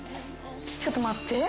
ちょっと待って。